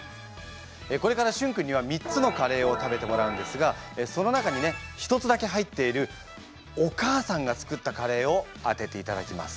これからしゅん君には３つのカレーを食べてもらうんですがその中にね１つだけ入っているお母さんが作ったカレーを当てていただきます。